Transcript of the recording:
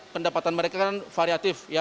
pendapatan mereka variatif